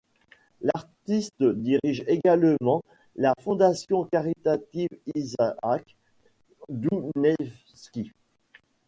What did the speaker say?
L'artiste dirige également la fondation caritative Isaak Dounaïevski.